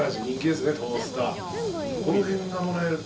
この辺がもらえる。